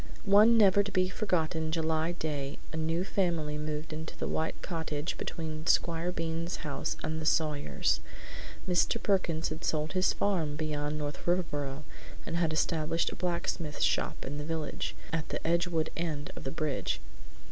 One never to be forgotten July day a new family moved into the white cottage between Squire Bean's house and the Sawyers'. Mr. Perkins had sold his farm beyond North Riverboro and had established a blacksmith's shop in the village, at the Edgewood end of the bridge.